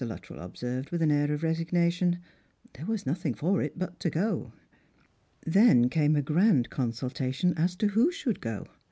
Luttrell observed, with an air of resignation, there was notiiing for it but to go. Then came a grand consultation as to who should go.